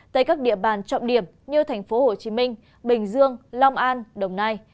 tại các địa bàn trọng điểm như tp hcm bình dương long an đồng nai